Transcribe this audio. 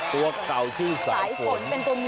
ตัวเก่าชื่อสายฝน